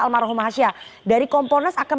almarhumahasya dari komponas akan